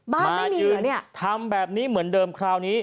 บ้านไม่มีเหรอเนี่ยอเรนนี่ทำแบบนี้เหมือนเดิมคราวนี้